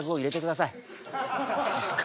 マジっすか。